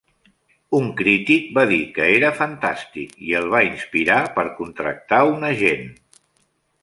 Un crític va dir que era fantàstic i el va inspirar per contractar un agent.